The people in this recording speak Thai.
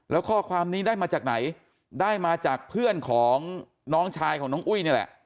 แล้วข้อความนี้ได้มาจากไหนได้มาจากเพื่อนของน้องชายของน้องอุ้ยนี่แหละ